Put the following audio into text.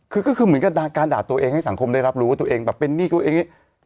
คือก็คือเหมือนกับการด่าตัวเองให้สังคมได้รับรู้ว่าตัวเองแบบเป็นหนี้ตัวเอง